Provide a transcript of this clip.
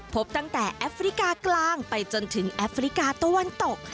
พบตั้งแต่แอฟริกากลางไปจนถึงแอฟริกาตะวันตก